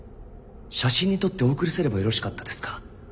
写真に撮ってお送りすればよろしかったですか？